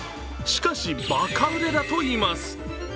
しかし、バカ売れだといいます。